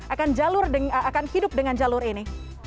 akan hidup dengan jalur ini